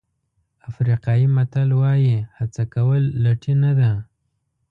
افریقایي متل وایي هڅه کول لټي نه ده.